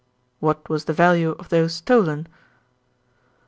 "What was the value of those stolen?"